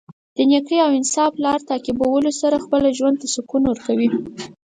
د نېکۍ او انصاف لار تعقیبولو سره خپله ژوند ته سکون ورکوي.